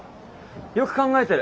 よく考えてる。